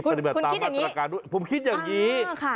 คุณคิดอย่างนี้ผมคิดอย่างนี้